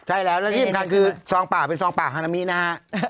ใช่แล้วแล้วที่สำคัญคือซองป่าเป็นซองป่าฮานามินะฮะ